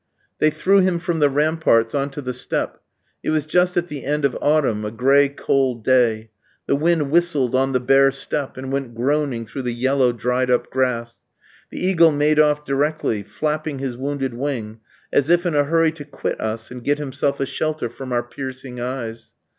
They threw him from the ramparts on to the steppe. It was just at the end of autumn, a gray, cold day. The wind whistled on the bare steppe and went groaning through the yellow dried up grass. The eagle made off directly, flapping his wounded wing, as if in a hurry to quit us and get himself a shelter from our piercing eyes.